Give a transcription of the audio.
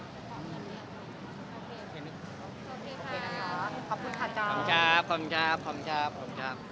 บ้านน้องแมวสรุปแพงกว่าบ้านผม